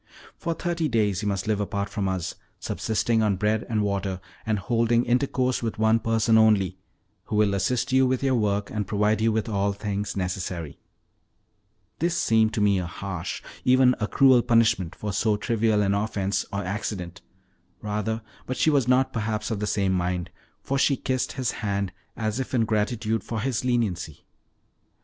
For thirty days you must live apart from us, subsisting on bread and water, and holding intercourse with one person only, who will assist you with your work and provide you with all things necessary." This seemed to me a harsh, even a cruel punishment for so trivial an offense, or accident, rather; but she was not perhaps of the same mind, for she kissed his hand, as if in gratitude for his leniency.